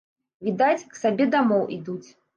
Відаць, к сабе дамоў ідуць.